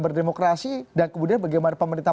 berdemokrasi dan kemudian bagaimana pemerintah